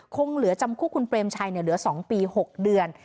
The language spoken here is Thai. คงเหลือจำคุกคุณเปรมชัยเหลือ๒ปี๖เดือน